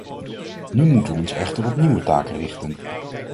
Nu moeten we ons echter op nieuwe taken richten.